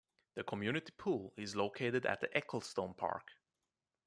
The community pool is located at the Ecclestone park.